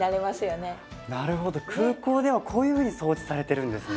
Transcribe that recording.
なるほど空港ではこういうふうに掃除されてるんですね。